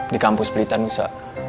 di kampus pelitanusa